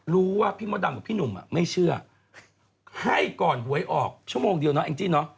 รู้ว่าพี่มดดำกับพี่หนุ่มไม่เชื่อให้ก่อนหวยออกชั่วโมงเดียวเนาะแองจี้เนอะ